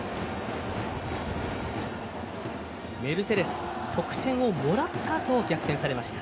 メルセデス、得点もらったあと逆転されました。